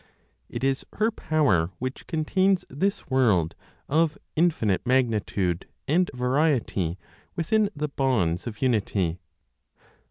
It is her power which contains this world of infinite magnitude and variety within the bonds of unity.